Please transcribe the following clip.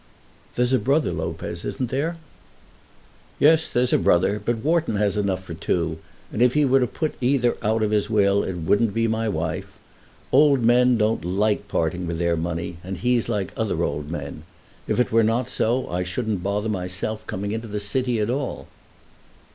"There's a brother, Lopez, isn't there?" "Yes, there's a brother; but Wharton has enough for two; and if he were to put either out of his will it wouldn't be my wife. Old men don't like parting with their money, and he's like other old men. If it were not so I shouldn't bother myself coming into the city at all."